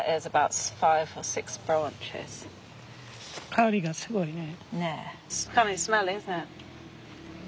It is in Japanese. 香りがすごいね。